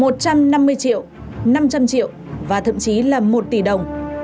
một trăm năm mươi triệu năm trăm linh triệu và thậm chí là một tỷ đồng